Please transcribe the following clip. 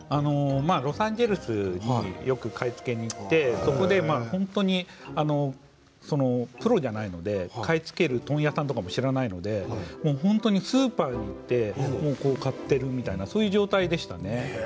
ロサンゼルスによく買い付けに行ってそこで本当にプロじゃないので買い付ける問屋さんとかも知らないので本当にスーパーに行って買っているみたいなそういう状態でしたね。